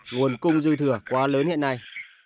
nguồn cung dư thừa quá lớn hiện nay